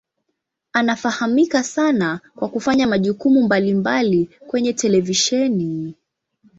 Anafahamika sana kwa kufanya majukumu mbalimbali kwenye televisheni.